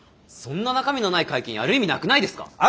そんな中身のない会見やる意味なくないですか？